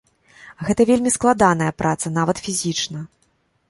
Гэта вельмі складаная праца, нават фізічна.